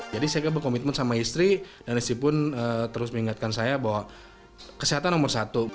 jadi saya berkomitmen sama istri dan istri pun terus mengingatkan saya bahwa kesehatan nomor satu